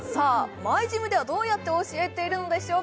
ＭｙＧｙｍではどうやって教えているのでしょうか？